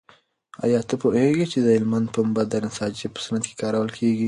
ایا ته پوهېږې چې د هلمند پنبه د نساجۍ په صنعت کې کارول کېږي؟